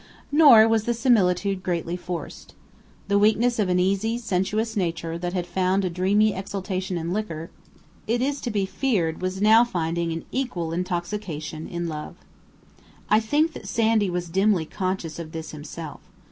Nor was the similitude greatly forced. The weakness of an easy, sensuous nature that had found a dreamy exaltation in liquor, it is to be feared was now finding an equal intoxication in love. I think that Sandy was dimly conscious of this himself.